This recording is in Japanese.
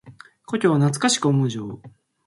故郷を懐かしく思う情。